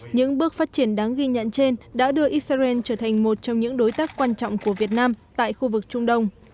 những bước phát triển đáng ghi nhận trên đã đưa israel trở thành một trong những đối tác quan trọng của việt nam tại khu vực trung đông